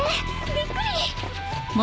びっくり！